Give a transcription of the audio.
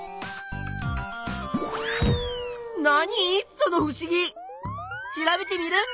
そのふしぎ！調べテミルン！